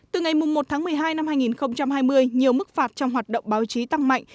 từ ngày một tháng một mươi hai năm hai nghìn hai mươi nhiều mức phạt trong hoạt động báo chí tăng mạnh